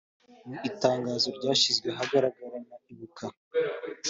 Mu itangazo ryashyizwe ahagaragara na Ibuka